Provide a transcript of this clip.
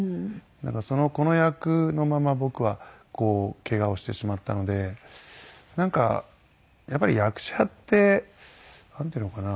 だからこの役のまま僕はケガをしてしまったのでなんかやっぱり役者ってなんていうのかな。